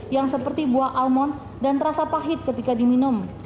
yang seperti buah almond dan terasa pahit ketika diminum